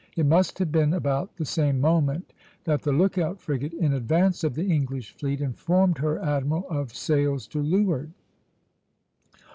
It must have been about the same moment that the lookout frigate in advance of the English fleet informed her admiral of sails to leeward.